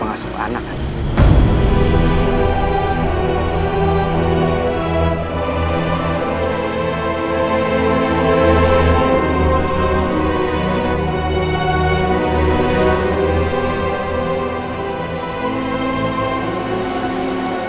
aku mau berbohong sama kamu